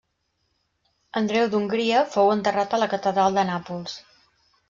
Andreu d'Hongria fou enterrat a la catedral de Nàpols.